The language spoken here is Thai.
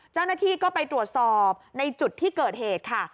เจ้าหน้าที่ก็ไปตรวจสอบในจุดที่เกิดเหตุค่ะ